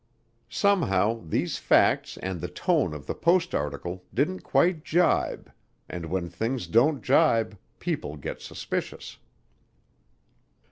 Somehow these facts and the tone of the Post article didn't quite jibe, and when things don't jibe, people get suspicious.